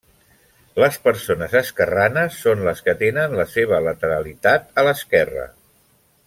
Les persones esquerranes són les que tenen la seva lateralitat a l'esquerra.